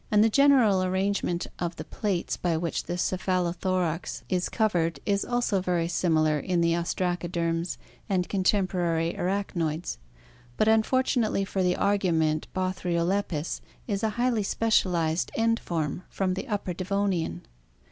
„,,] Haswell J general arrangement of the plates by which the cephalothorax is covered is also very similar in the ostracoderms and contemporary arachnoids, but unfortu nately for the argument Botkriolepis is a highly specialized end form from the Upper Devonian.